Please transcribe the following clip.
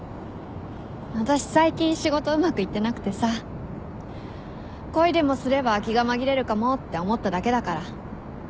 私最近仕事うまくいってなくてさ恋でもすれば気が紛れるかもって思っただけだから。